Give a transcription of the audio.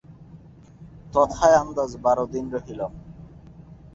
তথায় আন্দাজ বার দিন রহিলাম।